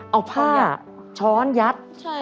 เอาผ้าช้อนยัด